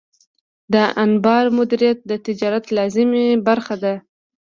د انبار مدیریت د تجارت لازمي برخه ده.